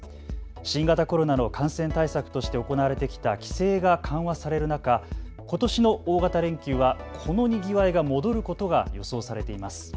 新型コロナの感染対策として行われてきた規制が緩和される中、ことしの大型連休はこのにぎわいが戻ることが予想されています。